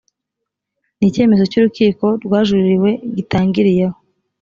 ni icyemezo cy’urukiko rwajuririwe gitangiriyeho